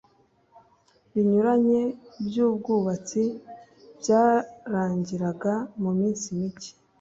binyuranye by ubwubatsi byarangiraga mu minsi mike